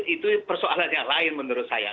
itu persoalan yang lain menurut saya